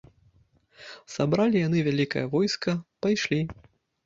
Сабралі яны вялікае войска, пайшлі.